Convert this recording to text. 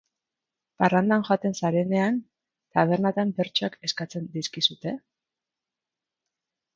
Parrandan joaten zarenean, tabernetan bertsoak eskatzen dizkizute?